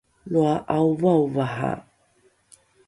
loa ’aovaovaha!